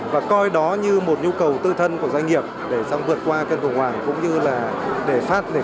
và coi đó như một nhu cầu tư thân của doanh nghiệp để xong vượt qua cơn khủng hoảng cũng như là để phát triển sau này